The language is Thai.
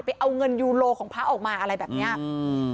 เอาเงินยูโรของพระออกมาอะไรแบบเนี้ยอืม